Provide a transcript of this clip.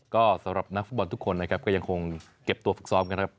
ก็สำหรับนักฟุตบอลทุกคนนะครับก็ยังคงเก็บตัวฝึกซ้อมกันครับ